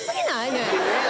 ねえ。